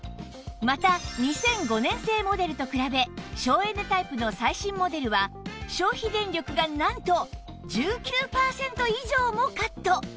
また２００５年製モデルと比べ省エネタイプの最新モデルは消費電力がなんと１９パーセント以上もカット